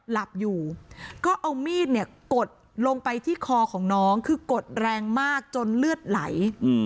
หลับอยู่ก็เอามีดเนี่ยกดลงไปที่คอของน้องคือกดแรงมากจนเลือดไหล